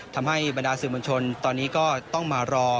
ทำให้บรรดาสื่อมวลชนตอนนี้ก็ต้องมารอ